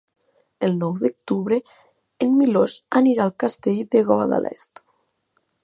El nou d'octubre en Milos anirà al Castell de Guadalest.